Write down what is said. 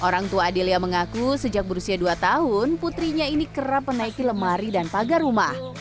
orang tua adelia mengaku sejak berusia dua tahun putrinya ini kerap menaiki lemari dan pagar rumah